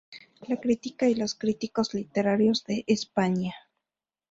La crítica y los críticos literarios de España.